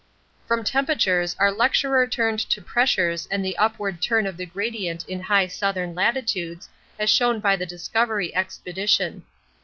From temperatures our lecturer turned to pressures and the upward turn of the gradient in high southern latitudes, as shown by the Discovery Expedition.